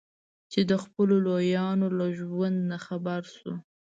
چې د خپلو لویانو له ژوند نه خبر شو.